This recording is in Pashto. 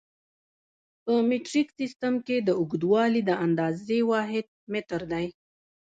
په مټریک سیسټم کې د اوږدوالي د اندازې واحد متر دی.